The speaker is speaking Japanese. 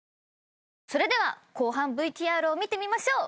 それでは後半ＶＴＲを見てみましょう！